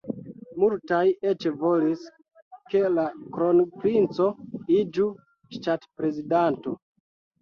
Multaj eĉ volis, ke la kronprinco iĝu ŝtatprezidanto.